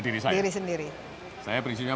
diri sendiri pada diri saya saya prinsipnya